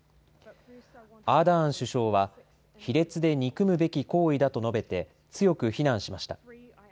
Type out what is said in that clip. アーダーン首相は卑劣で憎むべき行為だと述べて強く非難しました。